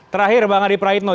terakhir bang adi praetno